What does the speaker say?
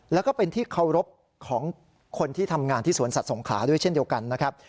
แล้วก็เป็นที่เคารพของคนที่ทำงานที่สวนสัตว์สงขลาด้วยเช่นเดียวกันนะครับ